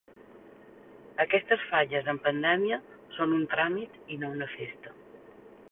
Aquestes falles en pandèmia són un tràmit i no una festa.